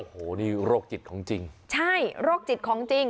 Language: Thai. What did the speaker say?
โอ้โหนี่โรคจิตของจริงใช่โรคจิตของจริง